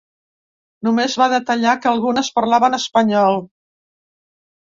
Només va detallar que algunes parlaven espanyol.